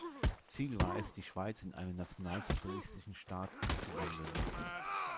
Ziel war es, die Schweiz in einen nationalsozialistischen Staat umzuwandeln.